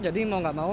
jadi mau enggak mau